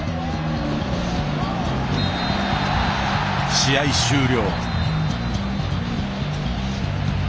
試合終了。